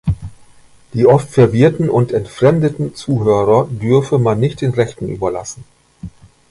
Die „oft verwirrten und entfremdeten“ Zuhörer dürfe man nicht den Rechten überlassen.